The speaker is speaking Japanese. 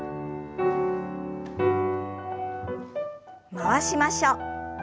回しましょう。